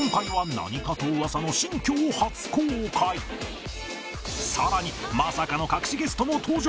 今回は更にまさかの隠しゲストも登場